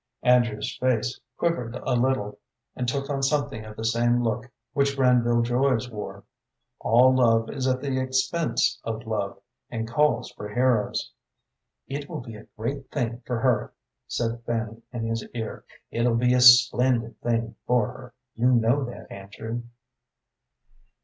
Andrew's face quivered a little, and took on something of the same look which Granville Joy's wore. All love is at the expense of love, and calls for heroes. "It'll be a great thing for her," said Fanny, in his ear; "it'll be a splendid thing for her, you know that, Andrew."